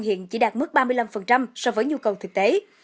hiện chỉ đạt mức ba mươi năm so với nhu cầu thực tế